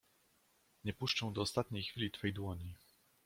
Nie puszczę do ostatniej chwili twej dłoni.